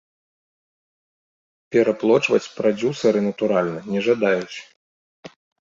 Пераплочваць прадзюсары, натуральна, не жадаюць.